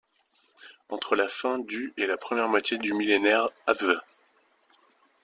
Entre la fin du et la première moitié du millénaire av.